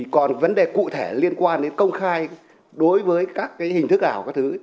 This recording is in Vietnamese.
còn vấn đề cụ thể liên quan đến công khai đối với các hình thức ảo các thứ